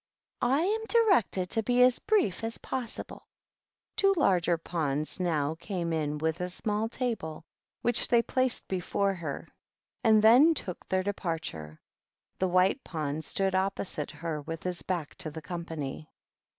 I am directed to be as brief as possible." 248 THE OBEAT OCCASION. Two larger pawns now came in with a smal table, which they placed before her, and then tool their departure. The White Pawn stood oppoeit to her, with his back to the company.